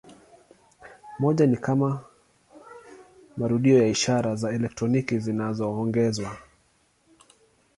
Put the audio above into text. Moja ni kwa marudio ya ishara za elektroniki zinazoongezwa.